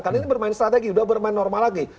karena ini bermain strategi udah bermain normal lagi